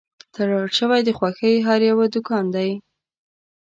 تړل شوی د خوښۍ هر یو دوکان دی